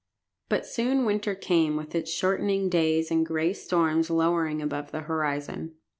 But soon winter came with its shortening days and gray storms lowering above the horizon.